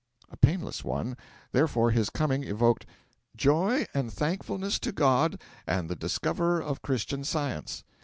A painless one; therefore his coming evoked 'joy and thankfulness to God and the Discoverer of Christian Science.'